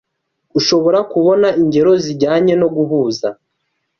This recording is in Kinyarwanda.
ushobora kubona ingero zijyanye no guhuza